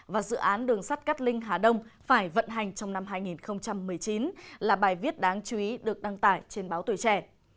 và dự án đường sắt cát linh hà đông phải vận hành trong năm hai nghìn một mươi chín là bài viết đáng chú ý được đăng tải trên báo tuổi trẻ